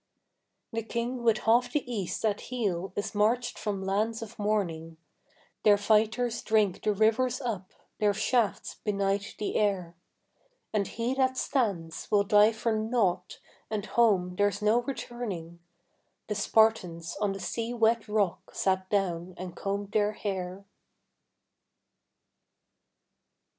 The King with half the East at heel is marched from lands of morning; Their fighters drink the rivers up, their shafts benight the air. And he that stands will die for nought, and home there's no returning. The Spartans on the sea wet rock sat down and combed their hair.